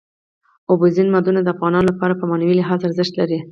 اوبزین معدنونه د افغانانو لپاره په معنوي لحاظ ارزښت لري.